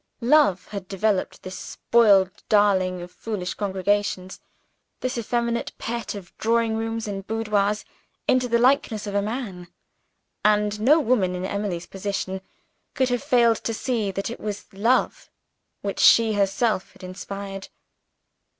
Love had developed this spoiled darling of foolish congregations, this effeminate pet of drawing rooms and boudoirs, into the likeness of a Man and no woman, in Emily's position, could have failed to see that it was love which she herself had inspired.